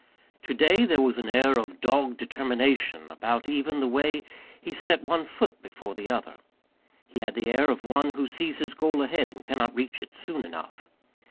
To day there was an air of dogged determination about even the way he set one foot before the other. He had the air of one who sees his goal ahead and cannot reach it soon enough.